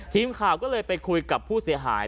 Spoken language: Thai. ทีมข่าวก็เลยไปคุยกับผู้เสียหาย